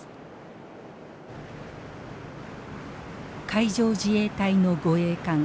海上自衛隊の護衛艦